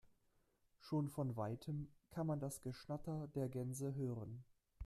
Schon von weitem kann man das Geschnatter der Gänse hören.